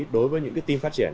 đối với những team phát triển